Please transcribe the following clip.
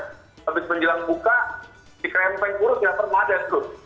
habis menjelang buka si keren peng kurus gak pernah ada tuh